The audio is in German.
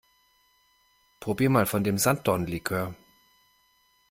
Probier mal von dem Sanddornlikör!